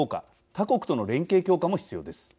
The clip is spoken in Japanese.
他国との連携強化も必要です。